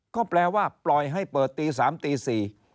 ก็แปลว่าปล่อยให้เปิดตี๓ตี๔